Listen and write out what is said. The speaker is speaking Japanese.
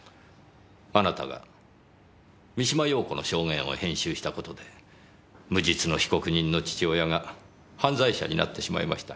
あなたが三島陽子の証言を編集した事で無実の被告人の父親が犯罪者になってしまいました。